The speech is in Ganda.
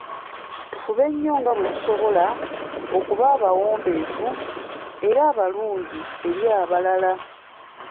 Tufube nnyo nga bwe tusobola okuba abawombeefu era abalungi eri abalala.